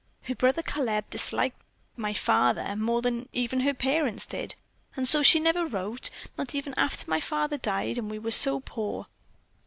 Her brother Caleb disliked my—my father, more even than her parents did, and so she never wrote, not even after my father died and we were so poor."